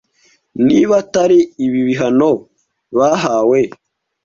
niba atari ibi bihano bahawe